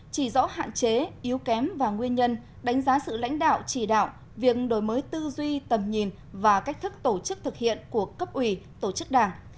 chỉ rõ hạn chế yếu kém và nguyên nhân đánh giá sự lãnh đạo chỉ đạo việc đổi mới tư duy tầm nhìn và cách thức tổ chức thực hiện của cấp ủy tổ chức đảng